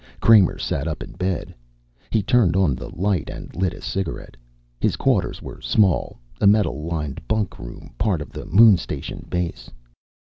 Kramer sat up in bed. He turned on the light and lit a cigarette. His quarters were small, a metal lined bunk room, part of the moon station base.